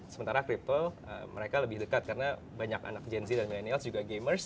sementara crypto mereka lebih dekat karena banyak anak gen z dan millennials juga gamers